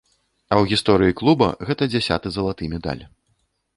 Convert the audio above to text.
А ў гісторыі клуба гэта дзясяты залаты медаль.